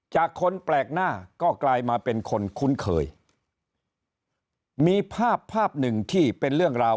คนแปลกหน้าก็กลายมาเป็นคนคุ้นเคยมีภาพภาพหนึ่งที่เป็นเรื่องราว